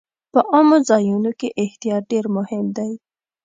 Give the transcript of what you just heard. په عامو ځایونو کې احتیاط ډېر مهم دی.